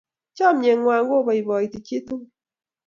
Chamyengwai ko boiboiti chitugul